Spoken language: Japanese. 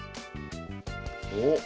おっ。